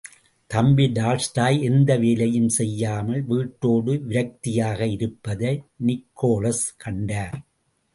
தம்பி டால்ஸ்டாய் எந்த வேலையும் செய்யாமல் வீட்டோடு விரக்தியாக இருப்பதை நிக்கோலஸ் கண்டார்.